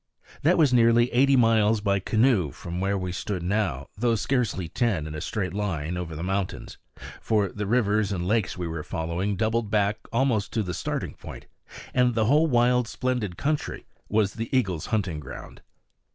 That was nearly eighty miles by canoe from where we now stood, though scarcely ten in a straight line over the mountains; for the rivers and lakes we were following doubled back almost to the starting point; and the whole wild, splendid country was the eagle's hunting ground.